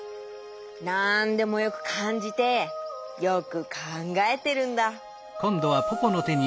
なんでもよくかんじてよくかんがえてるんだ。